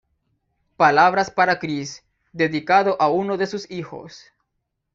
Palabras para Cris", dedicado a uno de sus hijos.